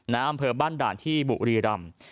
อำเภอบ้านด่านที่บุรีรำ